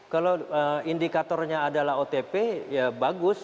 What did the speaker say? kalau indikatornya adalah otp ya bagus